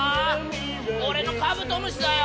俺のカブトムシだよ！